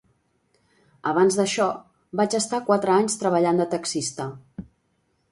Abans d'això, vaig estar quatre anys treballant de taxista.